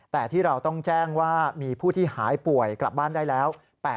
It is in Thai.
แต่ที่เราต้องแจ้งว่ามีผู้ที่หายป่วยกลับบ้านได้แล้ว